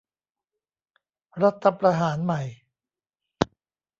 รัฐประหารใหม่